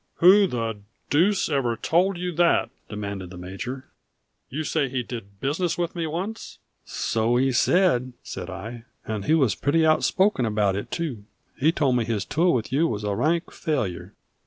"Who the deuce ever told you that?" demanded the major. "You say he did business with me once?" "So he said," said I. "And he was pretty outspoken about it too. He told me his tour with you was a rank failure."